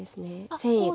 繊維が。